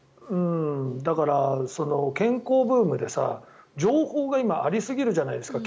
だから、健康ブームで情報が今ありすぎるじゃないですか。